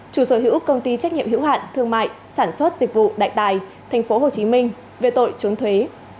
chủ sở hữu công ty trách nhiệm hữu hạn thương mại sản xuất dịch vụ đại tài thành phố hồ chí minh về tội trốn thuế